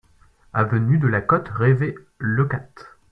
Avenue de la Côte Rêvée, Leucate